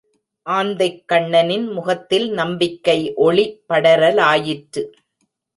ஆந்தைக்கண்ணனின் முகத்தில் நம்பிக்கை ஒளி படரலாயிற்று.